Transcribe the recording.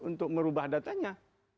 untuk merubah datanya